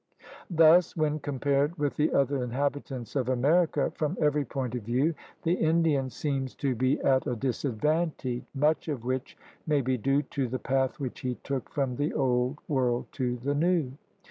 "^ Thus when compared with the other inhabitants of America, from every point of view the Indian seems to be at a disadvantage, much of which may be due to the path which he took from the Old World to the New.